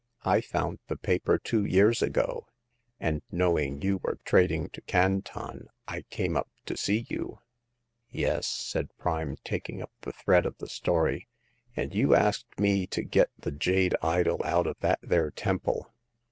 I found the paper two years ago, and knowing you were trading to Canton, I came up to see you/' Yes," said Prime, taking up the thread of the story, "and you asked me to get the jade idol out of that there temple.